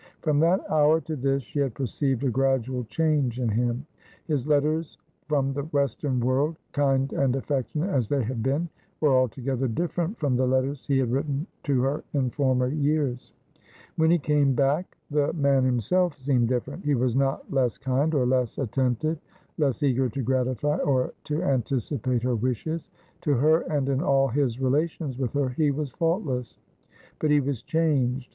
From that hour to this she had perceived a gradual change in him. His letters from the Western world, kind and affectionate as they had been, were altogether different from the letters he had written to her in former years. "When he came back the man himself seemed different. He was not less kind, or less attentive, less eager to gratify and to anticipate her wishes. To her, and in all his relations with her, he was faultless : but he was changed.